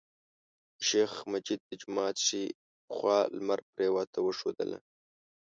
شیخ مجید د جومات ښی خوا لمر پریواته ته وښودله.